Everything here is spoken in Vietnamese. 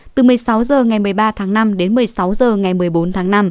từ một mươi sáu h ngày một mươi ba tháng năm đến một mươi sáu h ngày một mươi bốn tháng năm